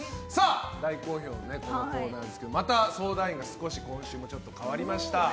大好評の、このコーナーですがまた相談員が今週も代わりました。